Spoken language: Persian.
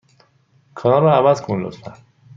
کانال را عوض کن، لطفا.